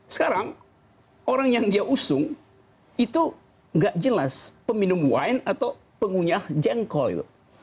sekarang orang yang dia usung itu nggak jelas peminum wine atau pengunyah jengkol